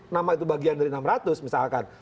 nama itu bagian dari enam ratus misalkan